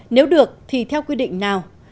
nếu được thì theo quy định nào